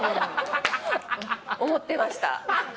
思ってました。